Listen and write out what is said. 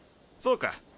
そうか。